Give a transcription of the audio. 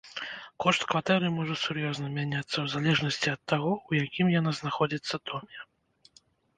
Кошт кватэры можа сур'ёзна мяняцца ў залежнасці ад таго, у якім яна знаходзіцца доме.